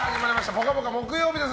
「ぽかぽか」木曜日です。